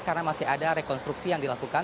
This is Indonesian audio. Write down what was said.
karena masih ada rekonstruksi yang dilakukan